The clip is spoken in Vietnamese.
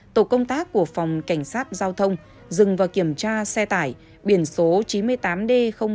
tổ công tác của phòng cảnh sát giao thông dừng và kiểm tra xe tải biển số chín mươi tám d một nghìn một trăm một mươi chín